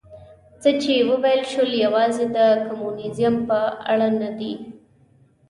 څه چې وویل شول یوازې د کمونیزم په اړه نه دي.